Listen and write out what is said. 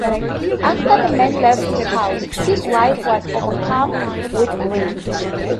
After the man left his house his wife was overcome with greed.